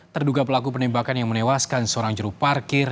terduga pelaku penembakan yang menewaskan seorang juru parkir